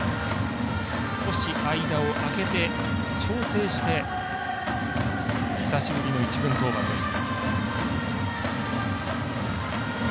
少し間を空けて調整して久しぶりの１軍登板です。